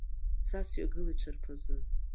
Са сҩагылеит шарԥазы.